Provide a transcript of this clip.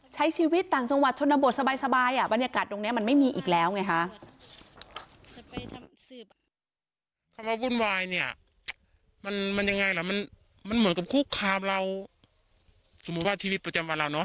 ใช้ชีวิตต่างจังหวัดชนบทสบายบรรยากาศตรงนี้มันไม่มีอีกแล้วไงคะ